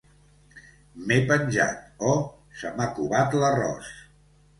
«m'he penjat» o «se m'ha covat l'arròs».